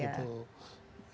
ya australia begitu